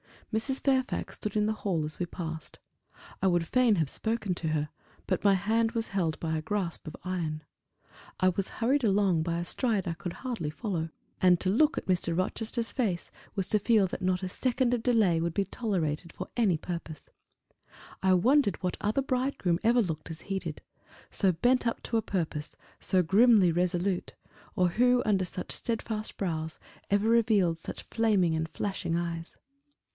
Mrs. Fairfax stood in the hall as we passed. I would fain have spoken to her, but my hand was held by a grasp of iron; I was hurried along by a stride I could hardly follow; and to look at Mr. Rochester's face was to feel that not a second of delay would be tolerated for any purpose. I wondered what other bridegroom ever looked as he did so bent up to a purpose, so grimly resolute; or who, under such steadfast brows, ever revealed such flaming and flashing eyes.